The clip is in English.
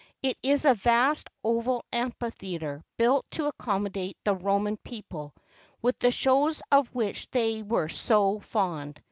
It is a vast oval am¬ phitheatre, built to accommodate the Roman people, with the shows of which they were so fond.